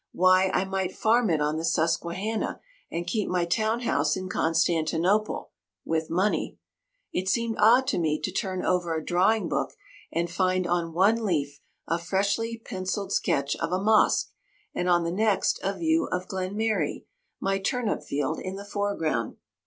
Why, I might farm it on the Susquehanna, and keep my town house in Constantinople, (with money.) It seemed odd to me to turn over a drawing book, and find on one leaf a freshly pencilled sketch of a mosque, and on the next a view of Glenmary—my turnip field in the foreground.